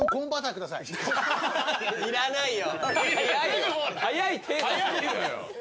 いらないよ。